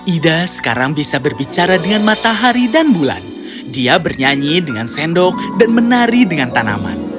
ida sekarang bisa berbicara dengan matahari dan bulan dia bernyanyi dengan sendok dan menari dengan tanaman